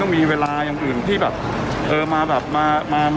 ต้องมีเวลาอย่างอื่นที่มาจุงมั่งงานอะไรบ้างเนอะ